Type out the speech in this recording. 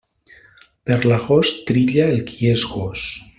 Per l'agost trilla el qui és gos.